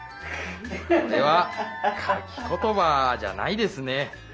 これはかきことばじゃないですね。